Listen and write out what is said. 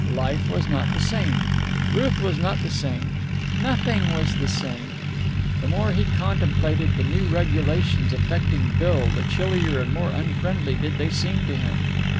Life was not the same. Ruth was not the same. Nothing was the same. The more he contemplated the new regulations affecting Bill the chillier and more unfriendly did they seem to him.